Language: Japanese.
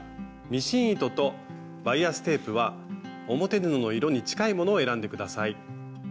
ミシン糸とバイアステープは表布の色に近いものを選んで下さい。